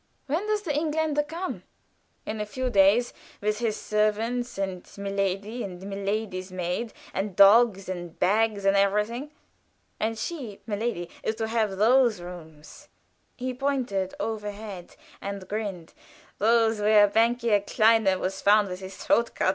"When does the Engländer come?" "In a few days, with his servants and milady, and milady's maid and dogs and bags and everything. And she milady is to have those rooms" he pointed overhead, and grinned "those where Banquier Klein was found with his throat cut.